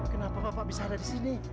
kenapa bapak bisa ada disini